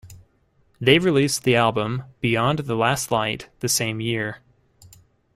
They released the album, "Beyond the Last Light", the same year.